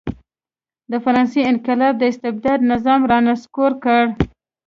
د فرانسې انقلاب استبدادي نظام را نسکور کړ.